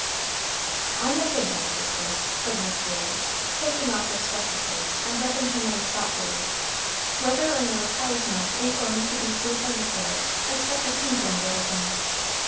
"I'm a thinkin', sister," said Miss Ruey, taking off her spectacles and rubbing her nose thoughtfully, "whether or no cow's milk ain't goin' to be too hearty for it, it's such a pindlin' little thing.